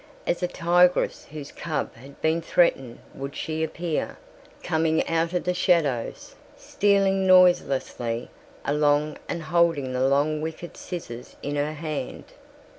As a tigress whose cub had been threatened would she appear, coming out of the shadows, stealing noiselessly along and holding the long wicked scissors in her hand.